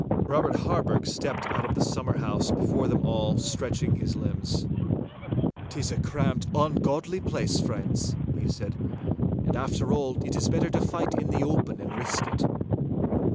Robert Harburgh stepped out of the summer house before them all, stretching his limbs. ''Tis a cramped, ungodly place, friends,' he said. 'After all, it is better to fight in the open and risk it!